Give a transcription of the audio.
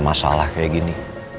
kenapa salah kayak gini